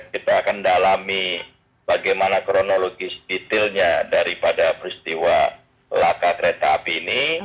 kita akan dalami bagaimana kronologis detailnya daripada peristiwa laka kereta api ini